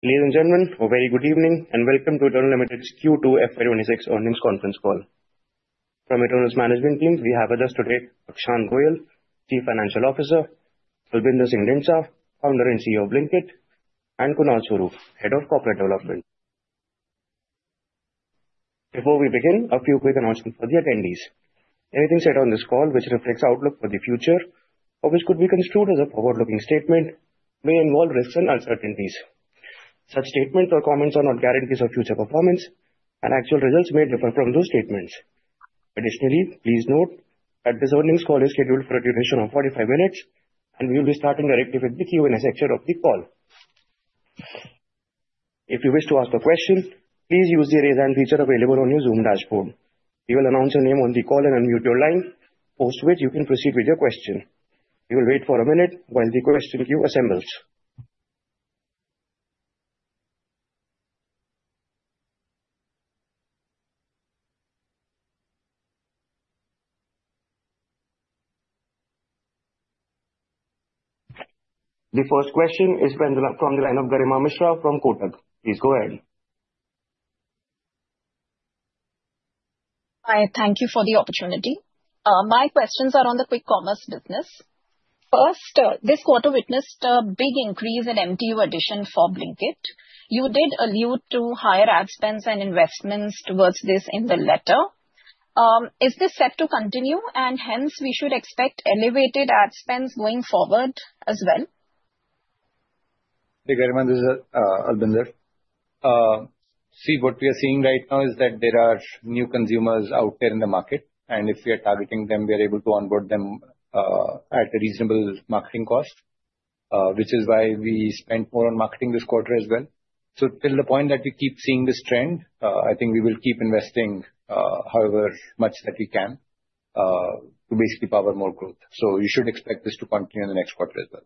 Ladies and gentlemen, a very good evening and welcome to Eternal Limited, Q2 FY 2026 earnings conference call. From Eternal's management team, we have with us today Akshant Goyal, Chief Financial Officer, Albinder Singh Dhindsa, Founder and CEO of Blinkit, and Kunal Swarup, Head of Corporate Development. Before we begin, a few quick announcements for the attendees. Anything said on this call, which reflects outlook for the future, or which could be construed as a forward-looking statement, may involve risks and uncertainties. Such statements or comments are not guarantees of future performance, and actual results may differ from those statements. Additionally, please note that this earnings call is scheduled for a duration of 45 minutes, and we will be starting directly with the Q&A section of the call. If you wish to ask a question, please use the raise hand feature available on your Zoom dashboard. We will announce your name on the call and unmute your line, post which you can proceed with your question. We will wait for a minute while the question queue assembles. The first question is from the line of Garima Mishra from Kotak. Please go ahead. Hi, thank you for the opportunity. My questions are on the quick commerce business. First, this quarter witnessed a big increase in MTU addition for Blinkit. You did allude to higher ad spends and investments towards this in the letter. Is this set to continue, and hence we should expect elevated ad spends going forward as well? Hey Garima, this is Albinder. See, what we are seeing right now is that there are new consumers out there in the market, and if we are targeting them, we are able to onboard them at a reasonable marketing cost, which is why we spent more on marketing this quarter as well. So till the point that we keep seeing this trend, I think we will keep investing however much that we can to basically power more growth. So you should expect this to continue in the next quarter as well.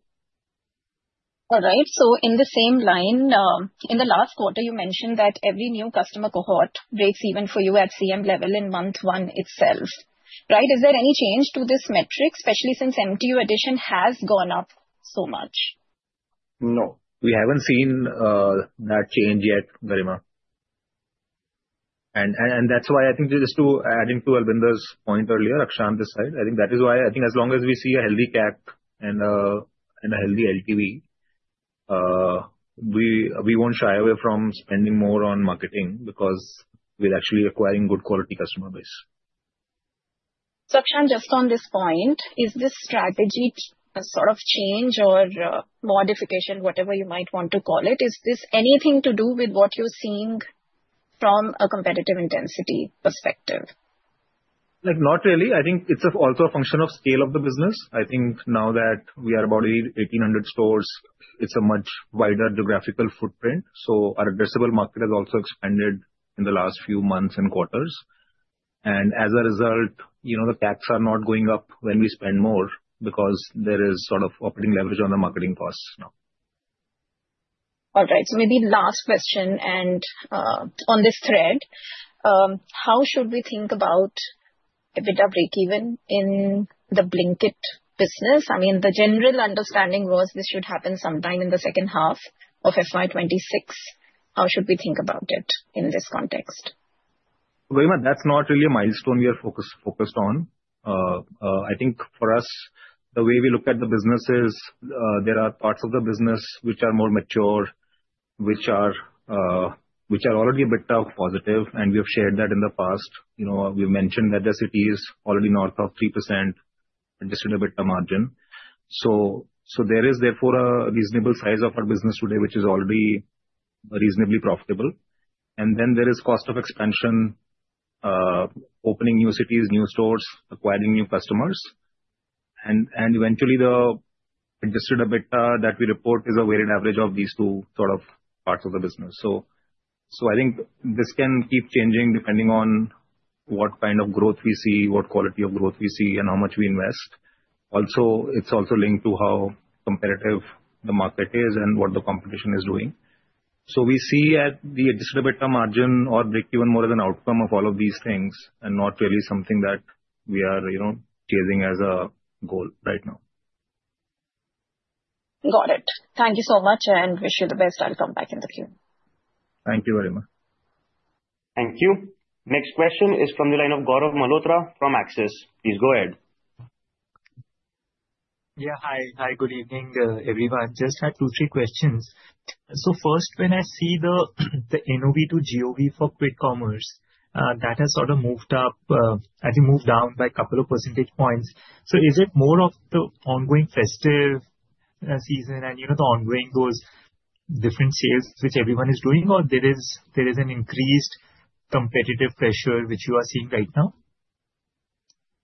All right, so in the same line, in the last quarter, you mentioned that every new customer cohort breaks even for you at CM level in month one itself. Right, is there any change to this metric, especially since MTU addition has gone up so much? No, we haven't seen that change yet, Garima, and that's why I think just to add into Albinder's point earlier, Akshant this side, I think that is why I think as long as we see a healthy CAC and a healthy LTV, we won't shy away from spending more on marketing because we're actually acquiring a good quality customer base. So Akshant, just on this point, is this strategy sort of change or modification, whatever you might want to call it, is this anything to do with what you're seeing from a competitive intensity perspective? Not really. I think it's also a function of the scale of the business. I think now that we are about 1,800 stores, it's a much wider geographical footprint. So our addressable market has also expanded in the last few months and quarters. And as a result, the CACs are not going up when we spend more because there is sort of operating leverage on the marketing costs now. All right, so maybe last question on this thread. How should we think about EBITDA break-even in the Blinkit business? I mean, the general understanding was this should happen sometime in the second half of FY 2026. How should we think about it in this context? Garima, that's not really a milestone we are focused on. I think for us, the way we look at the business is there are parts of the business which are more mature, which are already EBITDA positive, and we have shared that in the past. We've mentioned that the city is already north of 3%, adjusted EBITDA margin, so there is therefore a reasonable size of our business today, which is already reasonably profitable, and then there is cost of expansion, opening new cities, new stores, acquiring new customers, and eventually, the adjusted EBITDA that we report is a weighted average of these two sort of parts of the business, so I think this can keep changing depending on what kind of growth we see, what quality of growth we see, and how much we invest. Also, it's also linked to how competitive the market is and what the competition is doing. So we see at the adjusted EBITDA margin or break-even more as an outcome of all of these things and not really something that we are chasing as a goal right now. Got it. Thank you so much and wish you the best. I'll come back in the queue. Thank you, Garima. Thank you. Next question is from the line of Gaurav Malhotra from Axis. Please go ahead. Yeah, hi. Hi, good evening, everyone. Just had two, three questions, so first, when I see the NOV to GOV for quick commerce, that has sort of moved up, I think moved down by a couple of percentage points, so is it more of the ongoing festive season and the ongoing those different sales which everyone is doing, or there is an increased competitive pressure which you are seeing right now?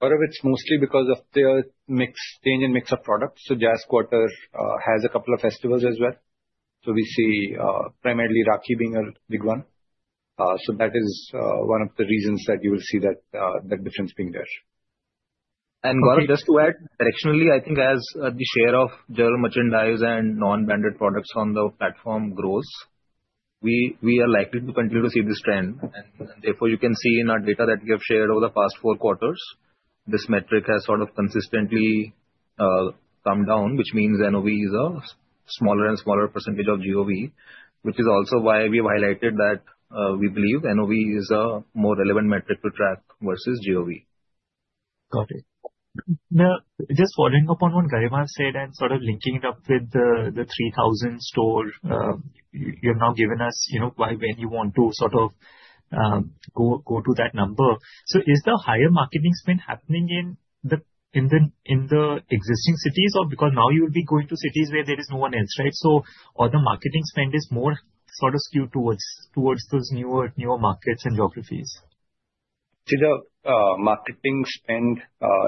Gaurav, it's mostly because of the mix change and mix of products. So this quarter has a couple of festivals as well. So we see primarily Rakhi being a big one. So that is one of the reasons that you will see that difference being there. Gaurav, just to add, directionally, I think as the share of general merchandise and non-branded products on the platform grows, we are likely to continue to see this trend. And therefore, you can see in our data that we have shared over the past four quarters, this metric has sort of consistently come down, which means NOV is a smaller and smaller percentage of GOV, which is also why we have highlighted that we believe NOV is a more relevant metric to track versus GOV. Got it. Now, just following up on what Garima said and sort of linking it up with the 3,000 stores, you have now given us by when you want to sort of go to that number. So is the higher marketing spend happening in the existing cities or because now you will be going to cities where there is no one else, right? So the marketing spend is more sort of skewed towards those newer markets and geographies? See, the marketing spend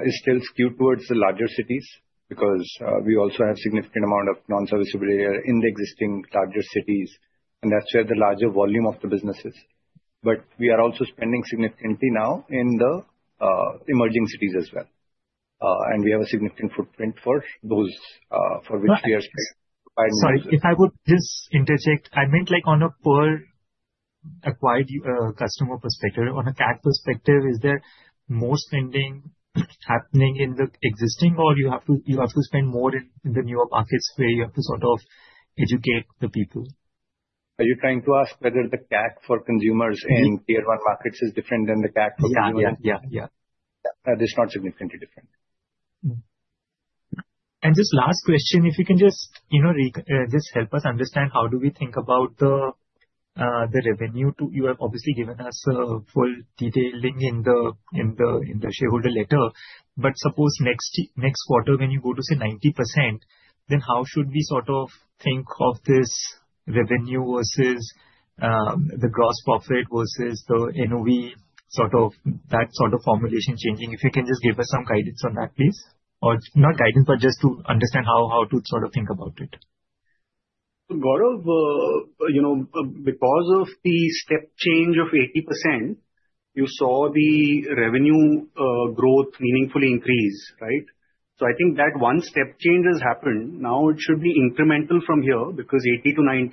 is still skewed towards the larger cities because we also have a significant amount of non-serviceability in the existing larger cities, and that's where the larger volume of the business is. But we are also spending significantly now in the emerging cities as well. And we have a significant footprint for those for which we are spending. Sorry, if I would just interject, I meant like on a per acquired customer perspective, on a CAC perspective, is there more spending happening in the existing, or you have to spend more in the newer markets where you have to sort of educate the people? Are you trying to ask whether the CAC for consumers in Tier 1 markets is different than the CAC for consumers? Yeah, yeah, yeah. That is not significantly different. Just last question, if you can just help us understand how do we think about the revenue? You have obviously given us full detailing in the shareholder letter. but suppose next quarter when you go to say 90%, then how should we sort of think of this revenue versus the gross profit versus the NOV, sort of that sort of formulation changing? If you can just give us some guidance on that, please. or not guidance, but just to understand how to sort of think about it. So Gaurav, because of the step change of 80%, you saw the revenue growth meaningfully increase, right? So I think that one step change has happened. Now it should be incremental from here because 80%-90%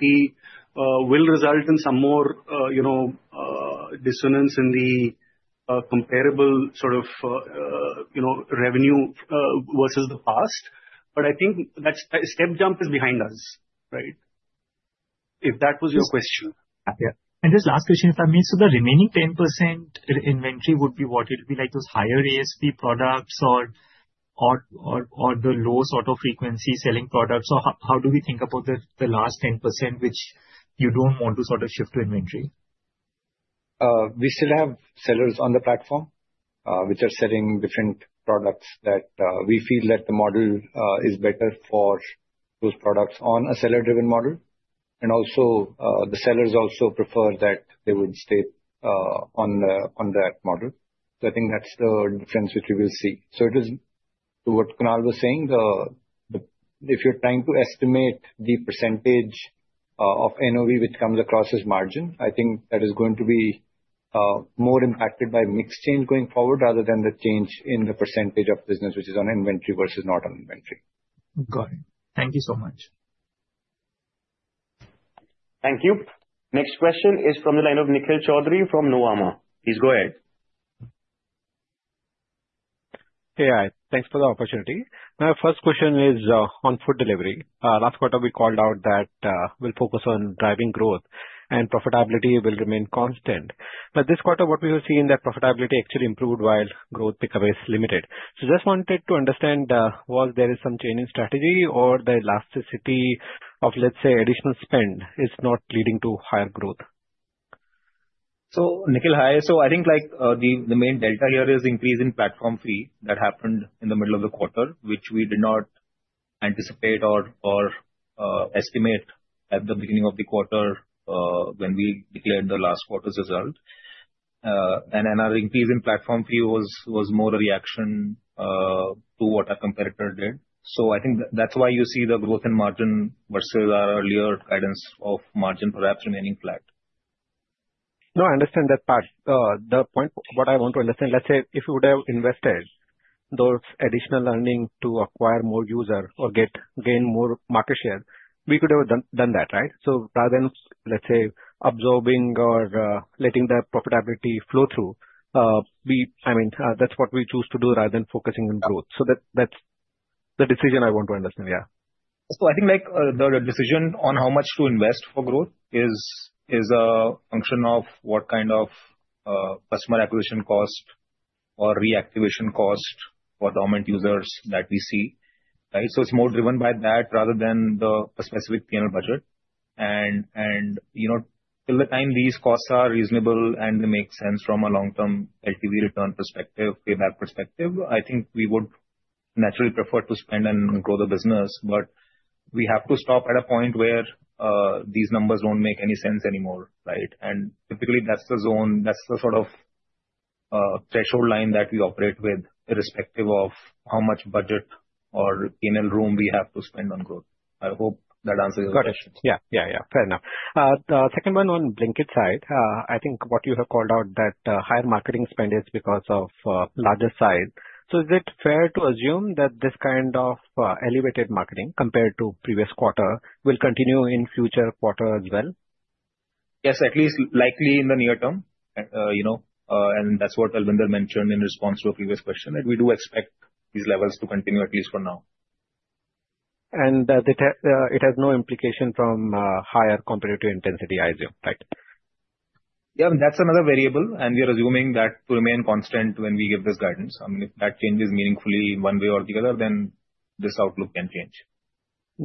will result in some more dissonance in the comparable sort of revenue versus the past. But I think that step jump is behind us, right? If that was your question. Yeah. And just last question, if I may, so the remaining 10% inventory would be what? It would be like those higher ASP products or the low sort of frequency selling products? Or how do we think about the last 10% which you don't want to sort of shift to inventory? We still have sellers on the platform which are selling different products that we feel that the model is better for those products on a seller-driven model, and also, the sellers also prefer that they would stay on that model, so I think that's the difference which we will see, so it is to what Kunal was saying, if you're trying to estimate the percentage of NOV which comes across as margin. I think that is going to be more impacted by mixed change going forward rather than the change in the percentage of business which is on inventory versus not on inventory. Got it. Thank you so much. Thank you. Next question is from the line of Nikhil Choudhary from Nuvama. Please go ahead. Hey, thanks for the opportunity. My first question is on food delivery. Last quarter, we called out that we'll focus on driving growth and profitability will remain constant. But this quarter, what we have seen is that profitability actually improved while growth pickup is limited. So just wanted to understand, was there some change in strategy or the elasticity of, let's say, additional spend is not leading to higher growth? So Nikhil, hi. So I think the main delta here is the increase in platform fee that happened in the middle of the quarter, which we did not anticipate or estimate at the beginning of the quarter when we declared the last quarter's result. Our increase in platform fee was more a reaction to what our competitor did. So I think that's why you see the growth in margin versus our earlier guidance of margin perhaps remaining flat. No, I understand that part. The point what I want to understand, let's say if we would have invested those additional earnings to acquire more users or gain more market share, we could have done that, right? So rather than, let's say, absorbing or letting the profitability flow through, I mean, that's what we choose to do rather than focusing on growth. So that's the decision I want to understand, yeah. So I think the decision on how much to invest for growth is a function of what kind of customer acquisition cost or reactivation cost for the monthly users that we see, right? So it's more driven by that rather than the specific P&L budget. And till the time these costs are reasonable and they make sense from a long-term LTV return perspective, payback perspective, I think we would naturally prefer to spend and grow the business. But we have to stop at a point where these numbers don't make any sense anymore, right? And typically, that's the zone, that's the sort of threshold line that we operate with irrespective of how much budget or P&L room we have to spend on growth. I hope that answers your question. Got it. Yeah, yeah, yeah. Fair enough. The second one on Blinkit, I think what you have called out that higher marketing spend is because of larger size. So is it fair to assume that this kind of elevated marketing compared to previous quarter will continue in future quarter as well? Yes, at least likely in the near term. And that's what Albinder mentioned in response to a previous question that we do expect these levels to continue at least for now. It has no implication from higher competitive intensity either, right? Yeah, that's another variable. And we are assuming that to remain constant when we give this guidance. I mean, if that changes meaningfully one way or the other, then this outlook can change.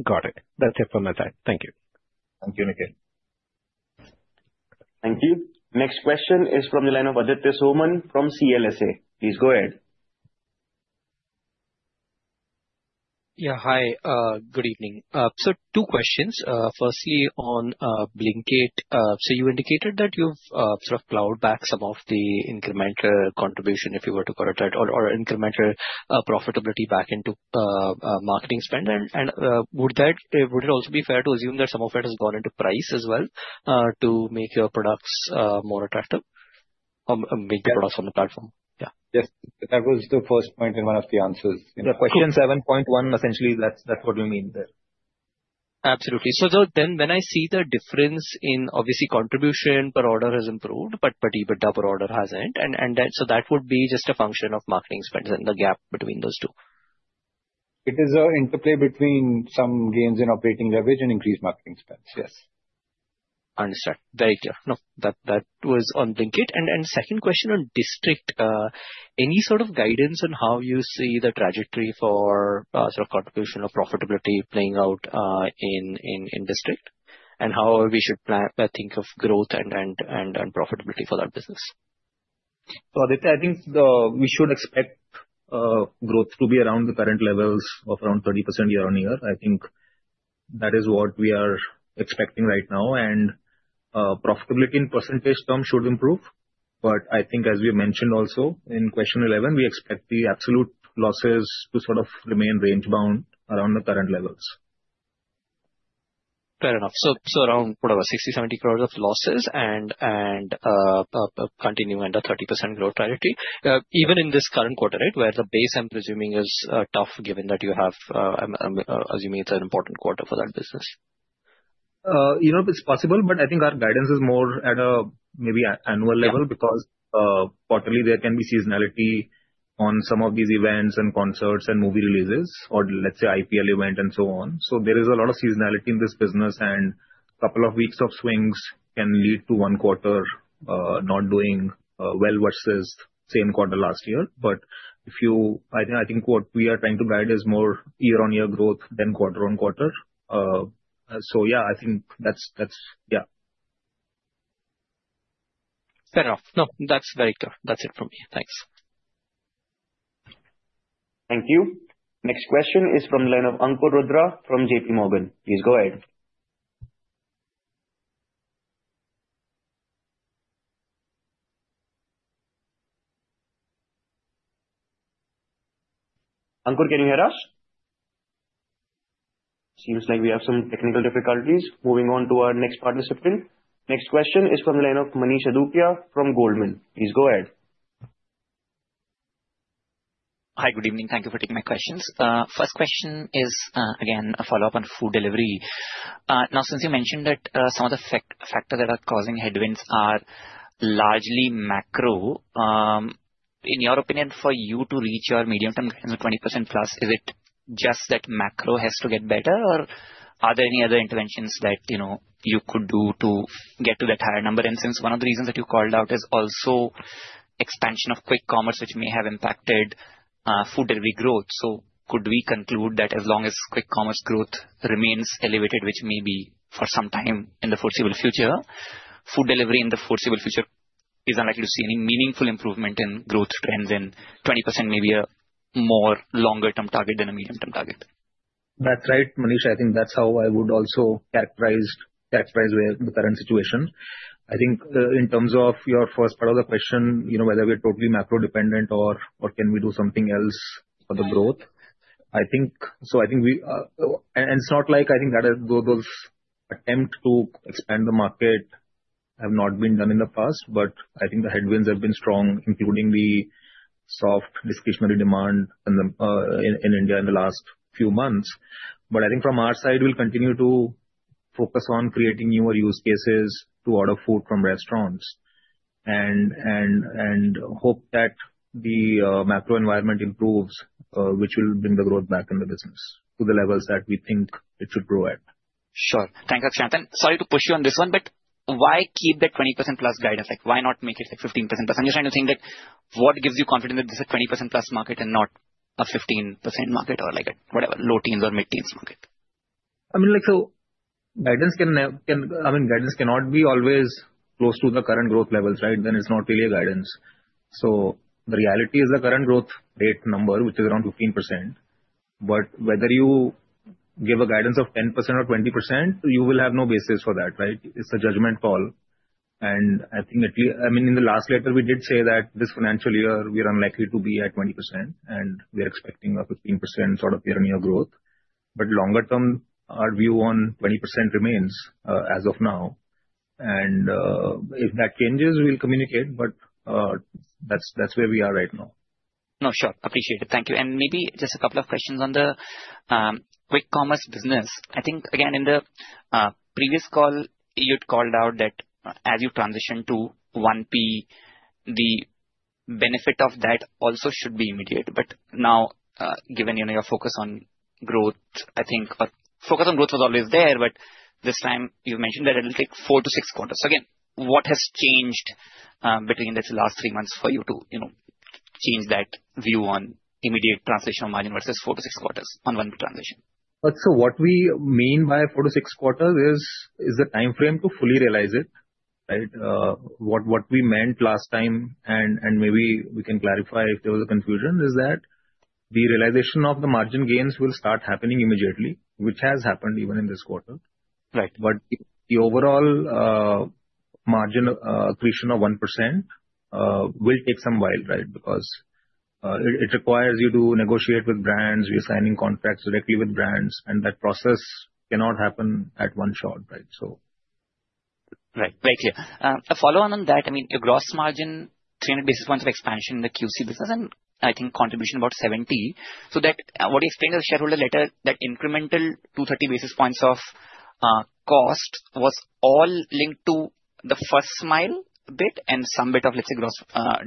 Got it. That's it from my side. Thank you. Thank you, Nikhil. Thank you. Next question is from the line of Aditya Soman from CLSA. Please go ahead. Yeah, hi. Good evening. So two questions. Firstly, on Blinkit, so you indicated that you've sort of plowed back some of the incremental contribution, if you were to call it that, or incremental profitability back into marketing spend. Would it also be fair to assume that some of it has gone into price as well to make your products more attractive or make the products on the platform? Yes, that was the first point and one of the answers. Yeah. Question 7.1, essentially, that's what we mean there. Absolutely. So then when I see the difference in, obviously, contribution per order has improved, but EBITDA per order hasn't. So that would be just a function of marketing spend and the gap between those two. It is an interplay between some gains in operating leverage and increased marketing spend, yes. Understood. Very clear. No, that was on Blinkit. Second question on District, any sort of guidance on how you see the trajectory for sort of contribution of profitability playing out in District and how we should think of growth and profitability for that business? So Aditya, I think we should expect growth to be around the current levels of around 30% year-on-year. I think that is what we are expecting right now. Profitability in percentage term should improve. But I think, as we mentioned also in question 11, we expect the absolute losses to sort of remain range-bound around the current levels. Fair enough. So around whatever 60 crore-70 crore of losses and continuing under 30% growth trajectory, even in this current quarter, right, where the base I'm presuming is tough given that you have I'm assuming it's an important quarter for that business. It's possible, but I think our guidance is more at a maybe annual level because quarterly there can be seasonality on some of these events and concerts and movie releases or, let's say, IPL event and so on. So there is a lot of seasonality in this business, and a couple of weeks of swings can lead to one quarter not doing well versus same quarter last year. I think what we are trying to guide is more year-on-year growth than quarter-on-quarter. So yeah, I think that's, yeah. Fair enough. No, that's very clear. That's it from me. Thanks. Thank you. Next question is from the line of Ankur Rudra from JPMorgan. Please go ahead. Ankur, can you hear us? Seems like we have some technical difficulties. Moving on to our next participant. Next question is from the line of Manish Adukia from Goldman. Please go ahead. Hi, good evening. Thank you for taking my questions. First question is, again, a follow-up on food delivery. Now, since you mentioned that some of the factors that are causing headwinds are largely macro, in your opinion, for you to reach your medium-term guidance of 20%+, is it just that macro has to get better, or are there any other interventions that you could do to get to that higher number? And since one of the reasons that you called out is also expansion of quick commerce, which may have impacted food delivery growth, so could we conclude that as long as quick commerce growth remains elevated, which may be for some time in the foreseeable future, food delivery in the foreseeable future is unlikely to see any meaningful improvement in growth trends and 20% may be a more longer-term target than a medium-term target? That's right, Manish. I think that's how I would also characterize the current situation. I think in terms of your first part of the question, whether we are totally macro-dependent or can we do something else for the growth, I think, and it's not like I think those attempts to expand the market have not been done in the past, but I think the headwinds have been strong, including the soft discretionary demand in India in the last few months. But I think from our side, we'll continue to focus on creating newer use cases to order food from restaurants and hope that the macro environment improves, which will bring the growth back in the business to the levels that we think it should grow at. Sure. Thanks, Akshant, and sorry to push you on this one, but why keep that 20%+ guidance? Why not make it 15%+? I'm just trying to think, what gives you confidence that this is a 20%+ market and not a 15% market or whatever, low teens or mid-teens market? I mean, so guidance cannot be always close to the current growth levels, right? Then it's not really a guidance. So the reality is the current growth rate number, which is around 15%. Whether you give a guidance of 10% or 20%, you will have no basis for that, right? It's a judgment call. I think, I mean, in the last letter, we did say that this financial year, we are unlikely to be at 20%, and we are expecting a 15% sort of year-on-year growth. Longer-term, our view on 20% remains as of now. If that changes, we'll communicate, but that's where we are right now. No, sure. Appreciate it. Thank you. And maybe just a couple of questions on the quick commerce business. I think, again, in the previous call, you'd called out that as you transition to 1P, the benefit of that also should be immediate. But now, given your focus on growth, I think, or focus on growth was always there, but this time you mentioned that it'll take four to six quarters. So again, what has changed between, let's say, the last three months for you to change that view on immediate translation of margin versus four to six quarters on 1P transition? So what we mean by four to six quarters is the time frame to fully realize it, right? What we meant last time, and maybe we can clarify if there was a confusion, is that the realization of the margin gains will start happening immediately, which has happened even in this quarter. The overall margin accretion of 1% will take some while, right? Because it requires you to negotiate with brands, reassigning contracts directly with brands, and that process cannot happen at one shot, right? So. Right. Very clear. A follow-on on that, I mean, your gross margin, 300 basis points of expansion in the QC business, and I think contribution about 70. So that what you explained in the shareholder letter, that incremental 230 basis points of cost was all linked to the first mile bit and some bit of, let's say, gross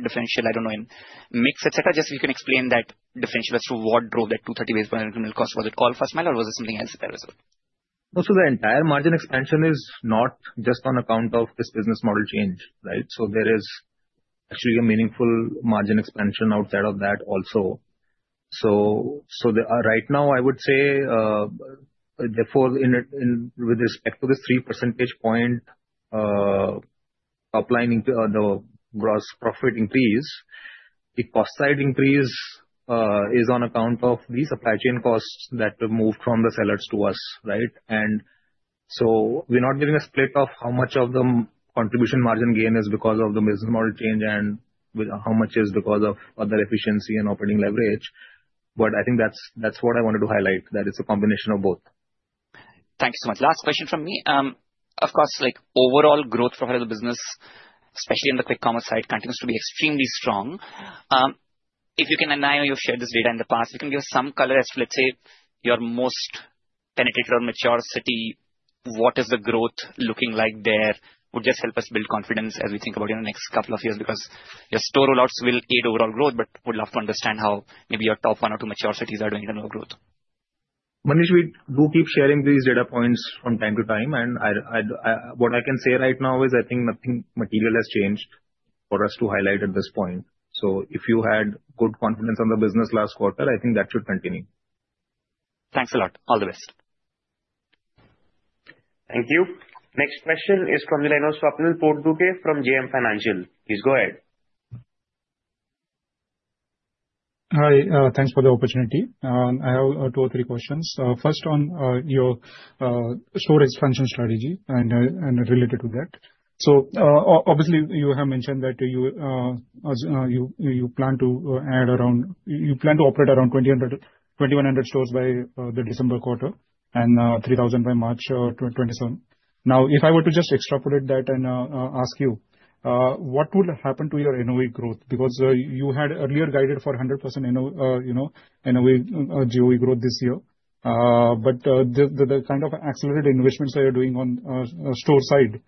differential, I don't know, in mix, et cetera. Just if you can explain that differential as to what drove that 230 basis point incremental cost. Was it all first mile, or was it something else there as well? No, so the entire margin expansion is not just on account of this business model change, right? So there is actually a meaningful margin expansion outside of that also. So right now, I would say with respect to the three percentage point upline, the gross profit increase, the cost side increase is on account of the supply chain costs that were moved from the sellers to us, right? So we're not giving a split of how much of the contribution margin gain is because of the business model change and how much is because of other efficiency and operating leverage. I think that's what I wanted to highlight, that it's a combination of both. Thank you so much. Last question from me. Of course, overall growth for the business, especially on the quick commerce side, continues to be extremely strong. If you can, and I know you've shared this data in the past, if you can give us some color as to, let's say, your most penetrated or mature city, what is the growth looking like there? Would just help us build confidence as we think about your next couple of years because your store rollouts will aid overall growth, but would love to understand how maybe your top one or two mature cities are doing in overall growth. Manish, we do keep sharing these data points from time to time, and what I can say right now is I think nothing material has changed for us to highlight at this point, so if you had good confidence on the business last quarter, I think that should continue. Thanks a lot. All the best. Thank you. Next question is from the line of Swapnil Potdukhe from JM Financial. Please go ahead. Hi. Thanks for the opportunity. I have two or three questions. First on your storage expansion strategy and related to that. So obviously, you have mentioned that you plan to operate around 2100 stores by the December quarter and 3000 by March 2027. Now, if I were to just extrapolate that and ask you, what would happen to your NOV growth? Because you had earlier guided for 100% NOV/GOV growth this year, but the kind of accelerated investments that you're doing on store side,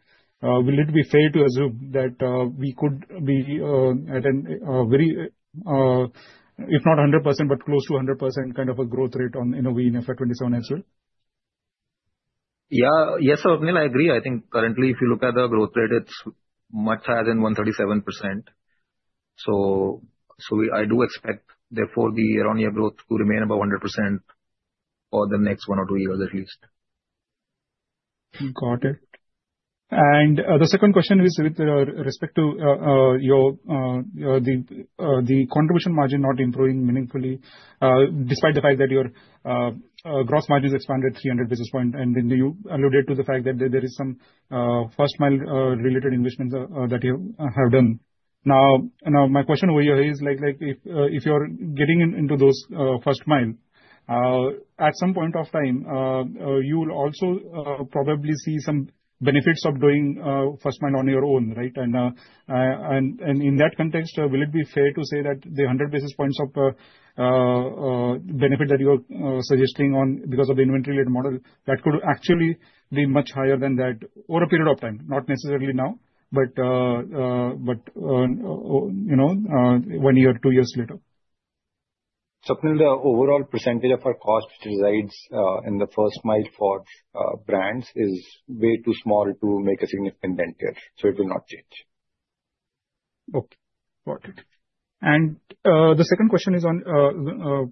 will it be fair to assume that we could be at a very, if not 100%, but close to 100% kind of a growth rate on NOV in FY 2027 as well? Yeah. Yes, Swapnil, I agree. I think currently, if you look at the growth rate, it's much higher than 137%. So I do expect, therefore, the year-on-year growth to remain above 100% for the next one or two years at least. Got it. The second question is with respect to the contribution margin not improving meaningfully, despite the fact that your gross margin has expanded 300 basis points. And then you alluded to the fact that there is some first mile related investments that you have done. Now, my question over here is, if you're getting into those first mile, at some point of time, you will also probably see some benefits of doing first mile on your own, right? In that context, will it be fair to say that the 100 basis points of benefit that you're suggesting on because of the inventory-led model, that could actually be much higher than that over a period of time, not necessarily now, but one year, two years later? Swapnil, the overall percentage of our cost which resides in the first mile for brands is way too small to make a significant dent here. So it will not change. Okay. Got it. And the second question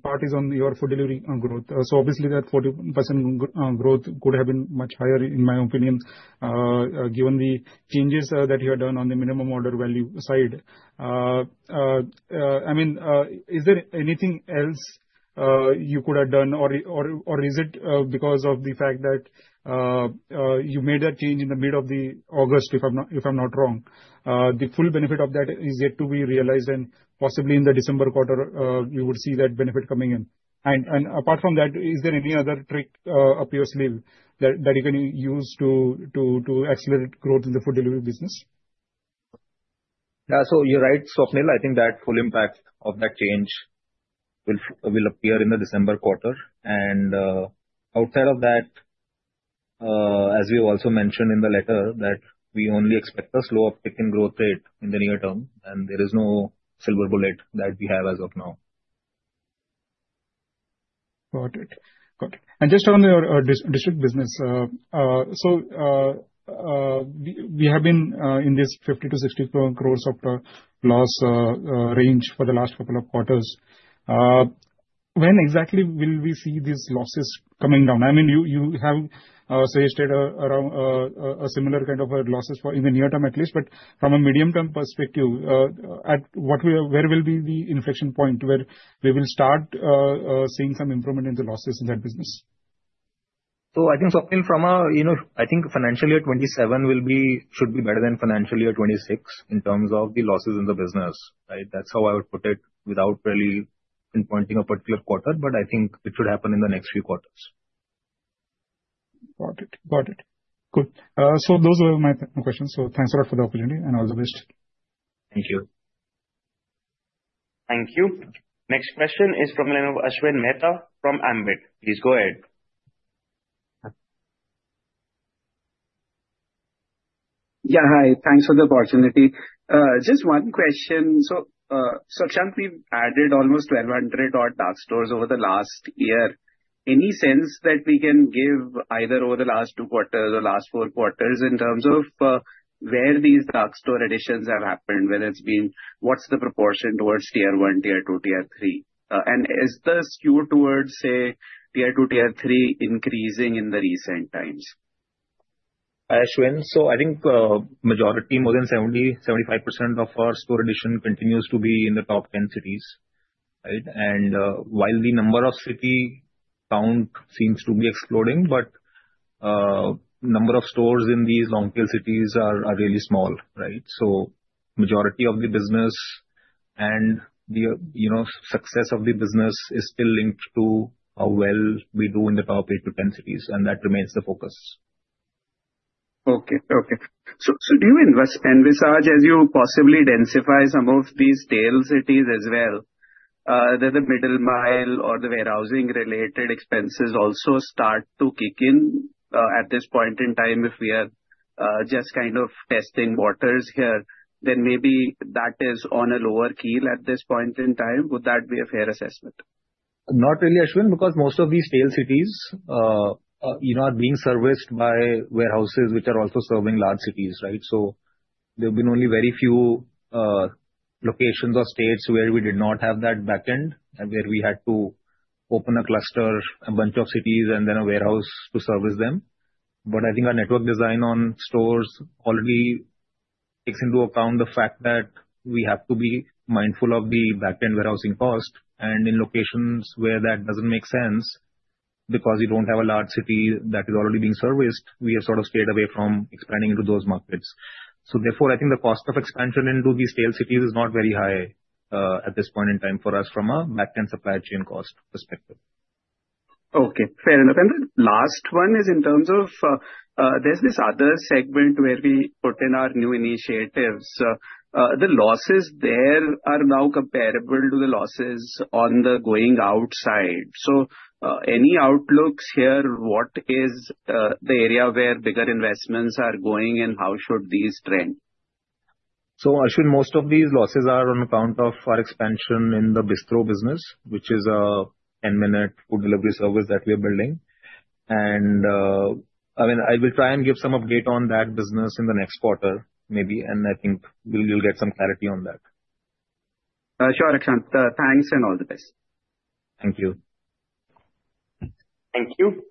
part is on your food delivery growth. So obviously, that 14% growth could have been much higher, in my opinion, given the changes that you had done on the minimum order value side. I mean, is there anything else you could have done, or is it because of the fact that you made that change in the mid of August, if I'm not wrong? The full benefit of that is yet to be realized, and possibly in the December quarter, you would see that benefit coming in. Apart from that, is there any other trick up your sleeve that you can use to accelerate growth in the food delivery business? Yeah. So you're right, Swapnil. I think that full impact of that change will appear in the December quarter. Outside of that, as we also mentioned in the letter, that we only expect a slow uptick in growth rate in the near term, and there is no silver bullet that we have as of now. Got it. Got it. And just on your District business, so we have been in this 50 crore-60 crore software loss range for the last couple of quarters. When exactly will we see these losses coming down? I mean, you have suggested around a similar kind of losses in the near term at least, but from a medium-term perspective, where will be the inflection point where we will start seeing some improvement in the losses in that business? So I think, Swapnil, from a, I think financial year 2027 should be better than financial year 2026 in terms of the losses in the business, right? That's how I would put it without really pinpointing a particular quarter, but I think it should happen in the next few quarters. Got it. Got it. Good. So those were my questions. So thanks a lot for the opportunity and all the best. Thank you. Thank you. Next question is from the line of Ashwin Mehta from Ambit. Please go ahead. Yeah, hi. Thanks for the opportunity. Just one question. So Akshant, we've added almost 1,200 odd dark stores over the last year. Any sense that we can give either over the last two quarters or last four quarters in terms of where these dark store additions have happened? What's the proportion towards Tier 1, Tier 2, Tier 3? Is the skew towards, say, Tier 2, Tier 3 increasing in the recent times? Ashwin, so I think majority, more than 70%-75% of our store addition continues to be in the top 10 cities, right? and while the number of city count seems to be exploding, but the number of stores in these long-tail cities are really small, right? so majority of the business and the success of the business is still linked to how well we do in the top 8-10 cities, and that remains the focus. Okay. Okay. So do you envisage as you possibly densify some of these tail cities as well? Did the middle mile or the warehousing-related expenses also start to kick in at this point in time? If we are just kind of testing waters here, then maybe that is on a lower keel at this point in time. Would that be a fair assessment? Not really, Ashwin, because most of these tail cities are being serviced by warehouses which are also serving large cities, right? So there have been only very few locations or states where we did not have that backend, where we had to open a cluster, a bunch of cities, and then a warehouse to service them. I think our network design on stores already takes into account the fact that we have to be mindful of the backend warehousing cost and in locations where that doesn't make sense, because you don't have a large city that is already being serviced, we have sort of stayed away from expanding into those markets. So therefore, I think the cost of expansion into these tail cities is not very high at this point in time for us from a backend supply chain cost perspective. Okay. Fair enough, and the last one is in terms of there's this other segment where we put in our new initiatives. The losses there are now comparable to the losses on the going-out side, so any outlooks here? What is the area where bigger investments are going, and how should these trend? So Ashwin, most of these losses are on account of our expansion in the Bistro business, which is a 10-minute food delivery service that we are building. And I mean, I will try and give some update on that business in the next quarter, maybe, and I think we'll get some clarity on that. Sure, Akshant. Thanks and all the best. Thank you. Thank you.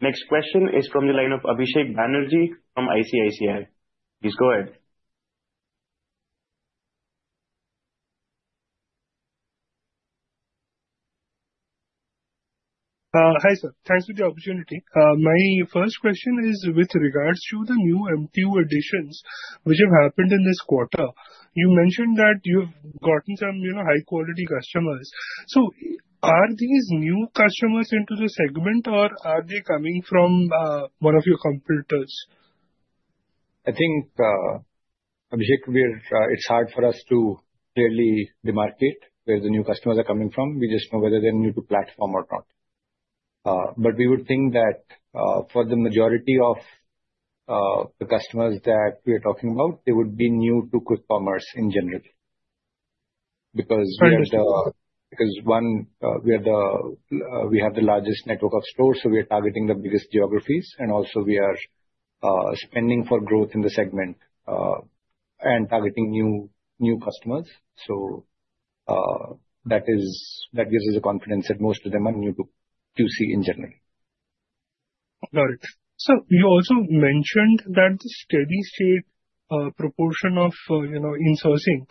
Next question is from the line of Abhisek Banerjee from ICICI. Please go ahead. Hi, sir. Thanks for the opportunity. My first question is with regards to the new MTU additions which have happened in this quarter. You mentioned that you've gotten some high-quality customers. So are these new customers into the segment, or are they coming from one of your competitors? I think, Abhisek, it's hard for us to clearly demarcate where the new customers are coming from. We just know whether they're new to platform or not, but we would think that for the majority of the customers that we are talking about, they would be new to quick commerce in general. Because we have the largest network of stores, so we are targeting the biggest geographies, and also we are spending for growth in the segment and targeting new customers, so that gives us a confidence that most of them are new to QC in general. Got it. So you also mentioned that the steady-state proportion of insourcing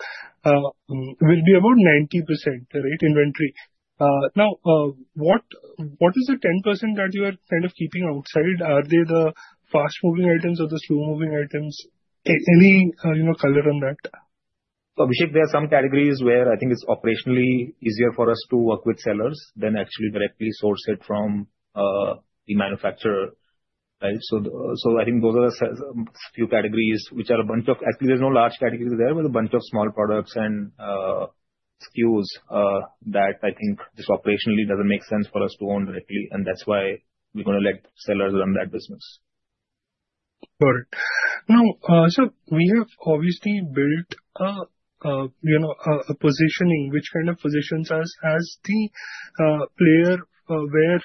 will be about 90%, right, inventory. Now, what is the 10% that you are kind of keeping outside? Are they the fast-moving items or the slow-moving items? Any color on that? So, Abhisek, there are some categories where I think it's operationally easier for us to work with sellers than actually directly source it from the manufacturer, right? So, I think those are a few categories which are a bunch of, actually, there's no large categories there, but a bunch of small products and SKUs that I think just operationally doesn't make sense for us to own directly, and that's why we're going to let sellers run that business. Got it. Now, so we have obviously built a positioning which kind of positions us as the player where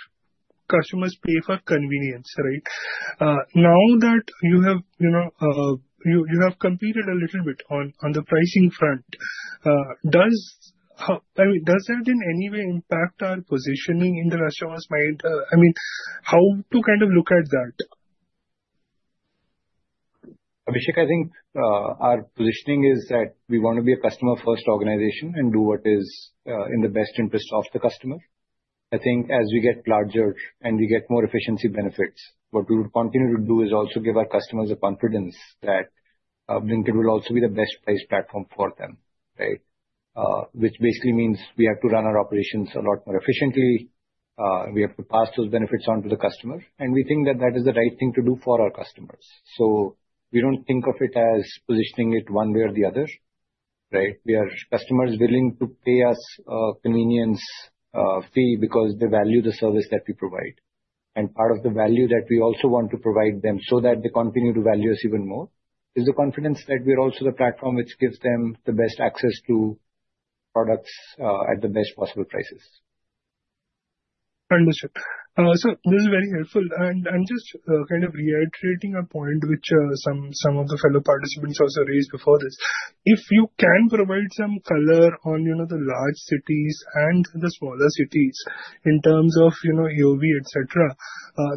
customers pay for convenience, right? Now that you have competed a little bit on the pricing front, I mean, does that in any way impact our positioning in the restaurants? I mean, how to kind of look at that? Abhisek, I think our positioning is that we want to be a customer-first organization and do what is in the best interest of the customer. I think as we get larger and we get more efficiency benefits, what we would continue to do is also give our customers the confidence that Blinkit will also be the best-priced platform for them, right? Which basically means we have to run our operations a lot more efficiently. We have to pass those benefits on to the customer, and we think that that is the right thing to do for our customers. So we don't think of it as positioning it one way or the other, right? We are customers willing to pay us a convenience fee because they value the service that we provide. Part of the value that we also want to provide them so that they continue to value us even more is the confidence that we are also the platform which gives them the best access to products at the best possible prices. Understood. So this is very helpful. And I'm just kind of reiterating a point which some of the fellow participants also raised before this. If you can provide some color on the large cities and the smaller cities in terms of AOV, et cetera,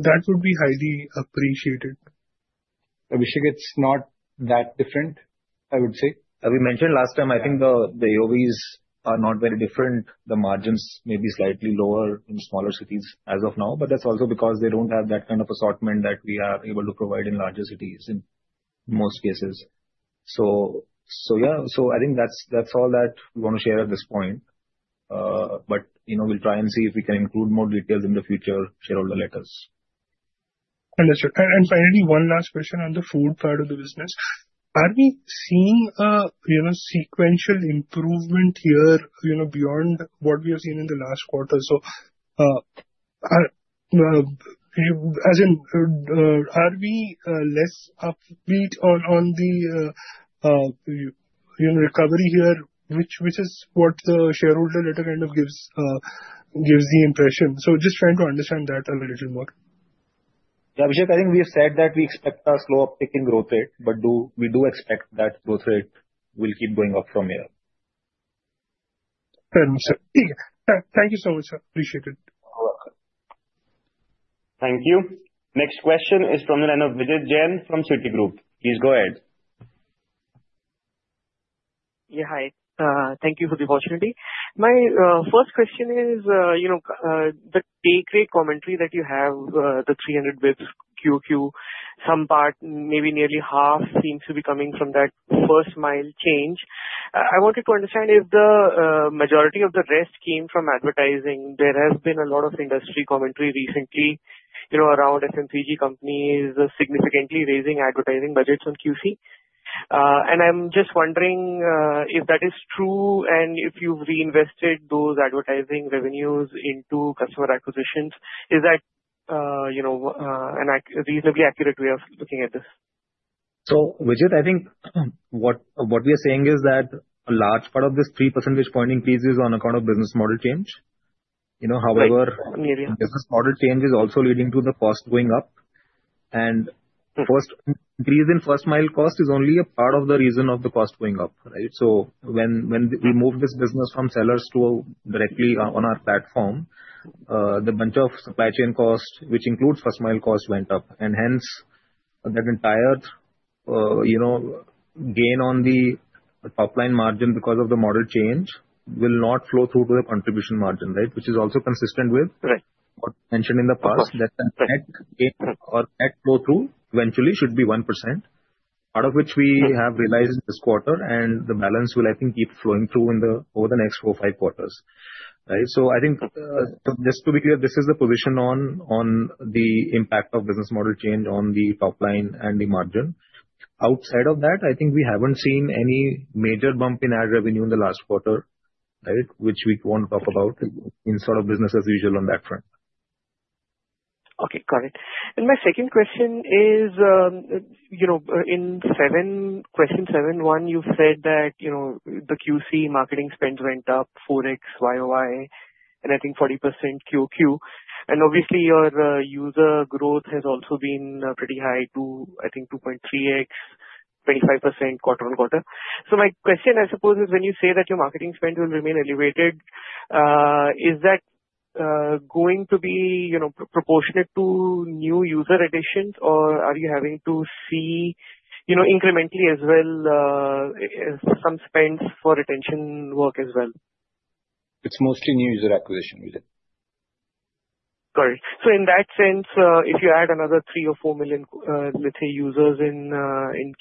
that would be highly appreciated. Abhisek, it's not that different, I would say. We mentioned last time, I think the AOVs are not very different. The margins may be slightly lower in smaller cities as of now, but that's also because they don't have that kind of assortment that we are able to provide in larger cities in most cases. So yeah, so I think that's all that we want to share at this point. But we'll try and see if we can include more details in the future, shareholder letters. Understood. And finally, one last question on the food part of the business. Are we seeing a sequential improvement here beyond what we have seen in the last quarter? So as in, are we less upbeat on the recovery here, which is what the shareholder letter kind of gives the impression? So just trying to understand that a little more. Yeah, Abhisek, I think we have said that we expect a slow uptick in growth rate, but we do expect that growth rate will keep going up from here. Fair enough, sir. Thank you so much, sir. Appreciate it. You're welcome. Thank you. Next question is from the line of Vijit Jain from Citigroup. Please go ahead. Yeah, hi. Thank you for the opportunity. My first question is the take-rate commentary that you have, the 300 basis points QoQ, some part, maybe nearly half seems to be coming from that first mile change. I wanted to understand if the majority of the rest came from advertising. There has been a lot of industry commentary recently around FMCG companies significantly raising advertising budgets on QC. And I'm just wondering if that is true and if you've reinvested those advertising revenues into customer acquisitions. Is that a reasonably accurate way of looking at this? So Vijit, I think what we are saying is that a large part of this 3 percentage points is on account of business model change. However, business model change is also leading to the cost going up. An increase in first mile cost is only a part of the reason of the cost going up, right? So when we moved this business from sellers directly on our platform, a bunch of supply chain cost, which includes first mile cost, went up. And hence, that entire gain on the top line margin because of the model change will not flow through to the contribution margin, right? Which is also consistent with what we mentioned in the past that the net flow through eventually should be 1%, out of which we have realized this quarter, and the balance will, I think, keep flowing through over the next four or five quarters, right? So I think just to be clear, this is the position on the impact of business model change on the top line and the margin. Outside of that, I think we haven't seen any major bump in ad revenue in the last quarter, right? Which we won't talk about in sort of business as usual on that front. Okay, got it. And my second question is, in question 7.1, you said that the QC marketing spend went up 4x, YoY, and I think 40% QoQ. And obviously, your user growth has also been pretty high to, I think, 2.3x, 25% quarter on quarter. So my question, I suppose, is when you say that your marketing spend will remain elevated, is that going to be proportionate to new user additions, or are you having to see incrementally as well some spends for retention work as well? It's mostly new user acquisition, Vijit. Got it. So in that sense, if you add another 3 million or 4 million, let's say, users in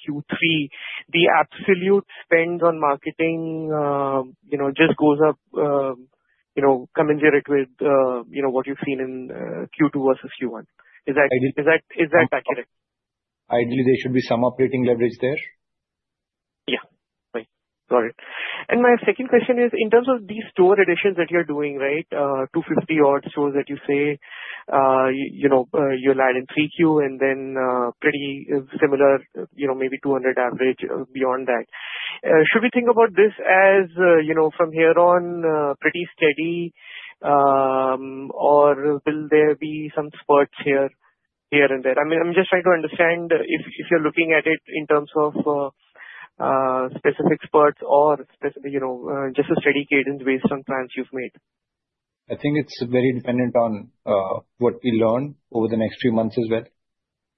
Q3, the absolute spend on marketing just goes up, commensurate with what you've seen in Q2 versus Q1. Is that accurate? Ideally, there should be some operating leverage there. Yeah. Right. Got it. And my second question is, in terms of these store additions that you're doing, right, 250 odd stores that you say you'll add in 3Q and then pretty similar, maybe 200 average beyond that. Should we think about this as from here on pretty steady, or will there be some spurts here and there? I mean, I'm just trying to understand if you're looking at it in terms of specific spurts or just a steady cadence based on plans you've made. I think it's very dependent on what we learn over the next few months as well.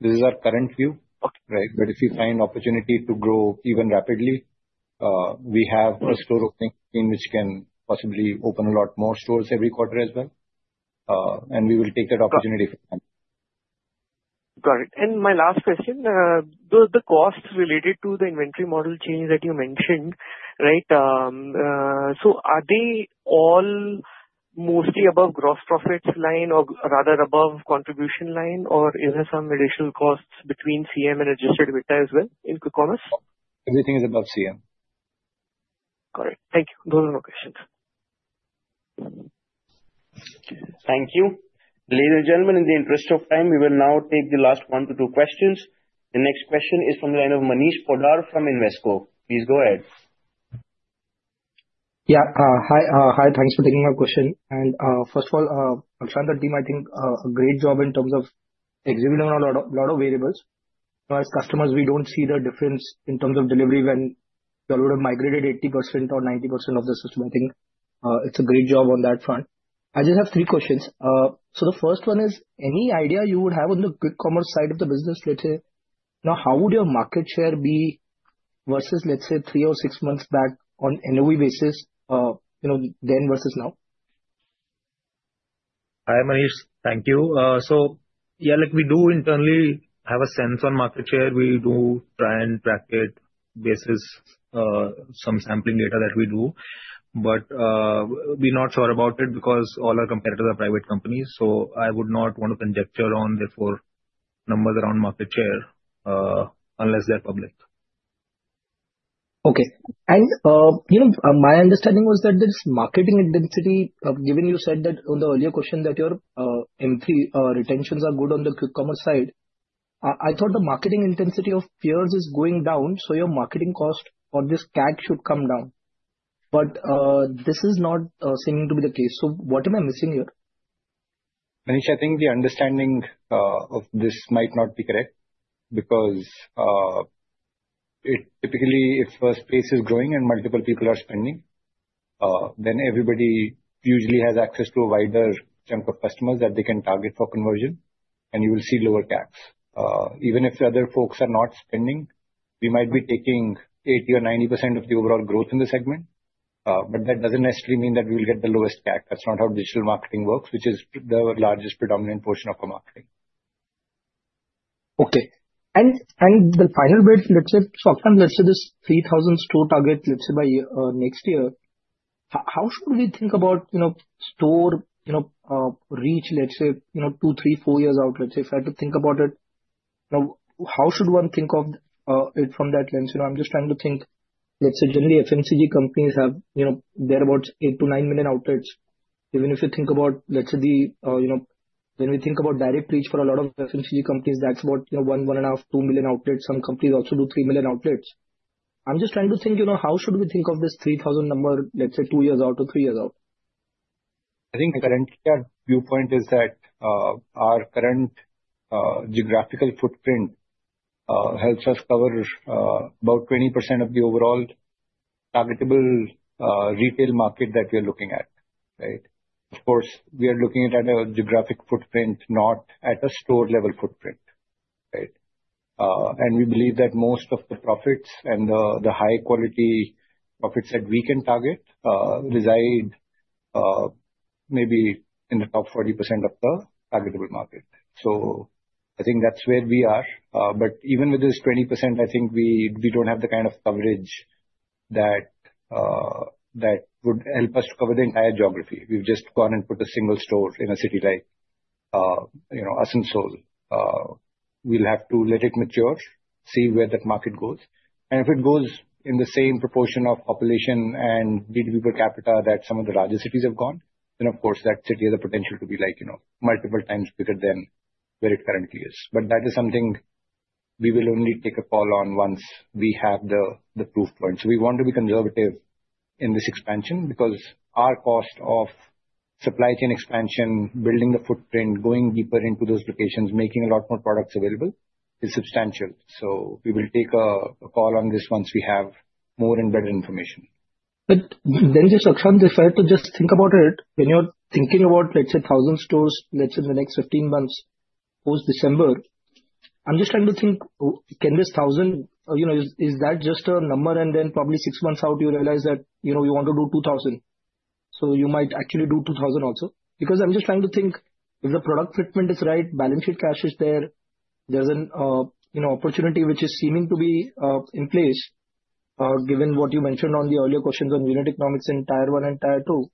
This is our current view, right? If we find an opportunity to grow even rapidly, we have a store opening which can possibly open a lot more stores every quarter as well and we will take that opportunity for them. Got it. My last question, the costs related to the inventory model change that you mentioned, right? So are they all mostly above gross profits line or rather above contribution line, or is there some additional costs between CM and adjusted EBITDA as well in quick commerce? Everything is above CM. Got it. Thank you. Those are my questions. Thank you. Ladies and gentlemen, in the interest of time, we will now take the last one to two questions. The next question is from the line of Manish Poddar from Invesco. Please go ahead. Yeah. Hi. Thanks for taking my question, and first of all, Akshant and team, I think a great job in terms of executing on a lot of variables. As customers, we don't see the difference in terms of delivery when you all would have migrated 80% or 90% of the system. I think it's a great job on that front. I just have three questions, so the first one is, any idea you would have on the quick commerce side of the business, let's say, now how would your market share be versus, let's say, three or six months back on NOV basis then versus now? Hi, Manish. Thank you. So yeah, we do internally have a sense on market share. We do try and track it based on some sampling data that we do. But we're not sure about it because all our competitors are private companies. So I would not want to conjecture on the four numbers around market share unless they're public. Okay. And my understanding was that this marketing intensity, given you said that on the earlier question that your M3 retentions are good on the quick commerce side, I thought the marketing intensity of peers is going down, so your marketing cost or this CAC should come down. But this is not seeming to be the case. So what am I missing here? Manish, I think the understanding of this might not be correct because typically, if a space is growing and multiple people are spending, then everybody usually has access to a wider chunk of customers that they can target for conversion, and you will see lower CACs. Even if the other folks are not spending, we might be taking 80 or 90% of the overall growth in the segment, but that doesn't necessarily mean that we will get the lowest CAC. That's not how digital marketing works, which is the largest predominant portion of our marketing. Okay. The final bit, let's say this 3,000 store target, let's say, by next year, how should we think about store reach, let's say, two, three, four years out? Let's say, if I had to think about it, how should one think of it from that lens? I'm just trying to think, let's say, generally, FMCG companies have thereabouts 8 million-9 million outlets. Even if you think about, let's say, when we think about direct reach for a lot of FMCG companies, that's about 1.5 million-2 million outlets. Some companies also do three million outlets. I'm just trying to think, how should we think of this 3,000 number, let's say, two years out or three years out? I think currently, our viewpoint is that our current geographical footprint helps us cover about 20% of the overall targetable retail market that we are looking at, right? Of course, we are looking at a geographic footprint, not at a store-level footprint, right? We believe that most of the profits and the high-quality profits that we can target reside maybe in the top 40% of the targetable market. So I think that's where we are. Even with this 20%, I think we don't have the kind of coverage that would help us cover the entire geography. We've just gone and put a single store in a city like Asansol. We'll have to let it mature, see where that market goes. If it goes in the same proportion of population and GDP per capita that some of the larger cities have gone, then of course, that city has a potential to be multiple times bigger than where it currently is but that is something we will only take a call on once we have the proof points. So we want to be conservative in this expansion because our cost of supply chain expansion, building the footprint, going deeper into those locations, making a lot more products available is substantial. So we will take a call on this once we have more and better information. But then just Akshant, if I had to just think about it, when you're thinking about, let's say, 1,000 stores, let's say, in the next 15 months, post-December, I'm just trying to think, can this 1,000, is that just a number? And then probably six months out, you realize that you want to do 2,000. So you might actually do 2,000 also. Because I'm just trying to think, if the product fitment is right, balance sheet cash is there, there's an opportunity which is seeming to be in place, given what you mentioned on the earlier questions on unit economics in Tier 1 and Tier 2.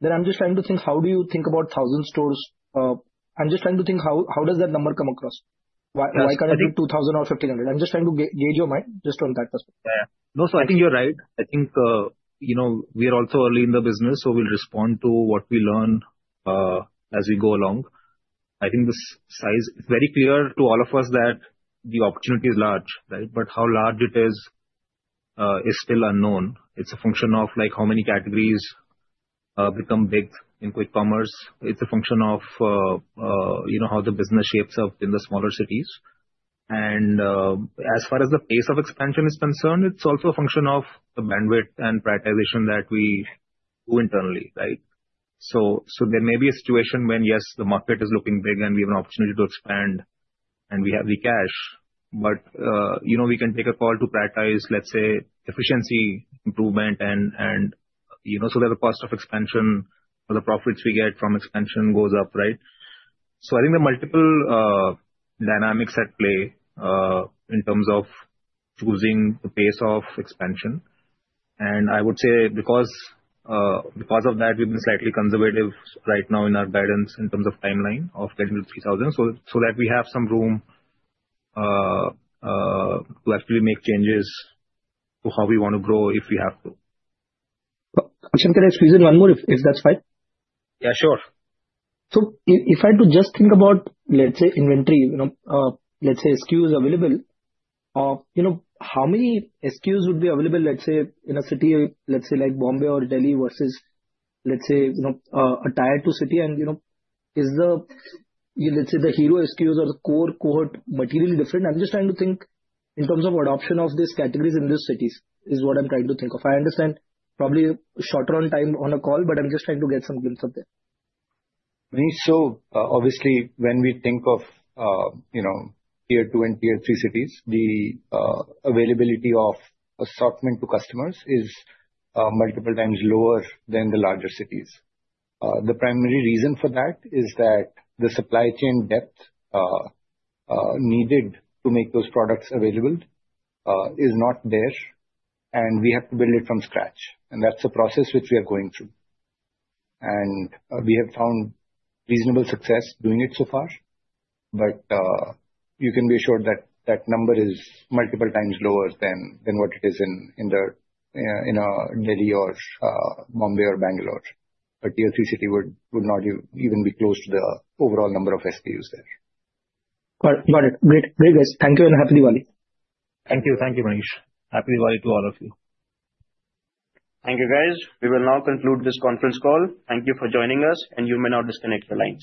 Then I'm just trying to think, how do you think about 1,000 stores? I'm just trying to think, how does that number come across? Why can't I do 2,000 or 1,500? I'm just trying to gauge your mind just on that. Yeah. No, so I think you're right. I think we are also early in the business, so we'll respond to what we learn as we go along. I think this size is very clear to all of us that the opportunity is large, right? How large it is is still unknown. It's a function of how many categories become big in quick commerce. It's a function of how the business shapes up in the smaller cities. As far as the pace of expansion is concerned, it's also a function of the bandwidth and prioritization that we do internally, right? So there may be a situation when, yes, the market is looking big and we have an opportunity to expand and we have the cash, but we can take a call to prioritize, let's say, efficiency improvement. So there's a cost of expansion or the profits we get from expansion goes up, right? So I think there are multiple dynamics at play in terms of choosing the pace of expansion. I would say because of that, we've been slightly conservative right now in our guidance in terms of timeline of getting to 3,000 so that we have some room to actually make changes to how we want to grow if we have to. Akshant, I squeeze in one more if that's fine? Yeah, sure. So if I had to just think about, let's say, inventory, let's say, SKUs available, how many SKUs would be available, let's say, in a city, let's say, like Bombay or Delhi versus, let's say, a Tier 2 city? And is the, let's say, the hero SKUs or the core cohort materially different? I'm just trying to think in terms of adoption of these categories in these cities is what I'm trying to think of. I understand probably short on time on a call, but I'm just trying to get some glimpse of that. Manish, so obviously, when we think of Tier 2 and Tier 3 cities, the availability of assortment to customers is multiple times lower than the larger cities. The primary reason for that is that the supply chain depth needed to make those products available is not there, and we have to build it from scratch. And that's a process which we are going through. And we have found reasonable success doing it so far, but you can be assured that that number is multiple times lower than what it is in a Delhi or Bombay or Bangalore. A Tier 3 city would not even be close to the overall number of SKUs there. Got it. Great, great, guys. Thank you and Happy Diwali. Thank you. Thank you, Manish. Happy Diwali to all of you. Thank you, guys. We will now conclude this conference call. Thank you for joining us, and you may now disconnect your lines.